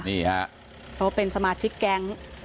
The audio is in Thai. เพราะว่าเป็นสมาชิกแก๊ง